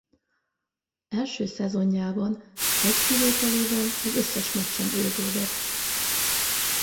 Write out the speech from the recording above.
Első szezonjában egy kivételével az összes meccsen ő védett.